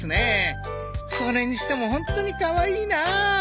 それにしてもホントにかわいいなあ。